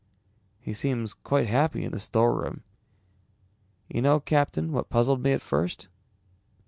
"He seems quite happy in the storeroom. You know, Captain, what puzzled me at first?